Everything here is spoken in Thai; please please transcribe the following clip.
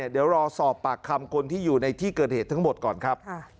เดี๋ยวรอสอบปากคำคนที่อยู่ในที่เกิดเหตุทั้งหมดก่อนครับ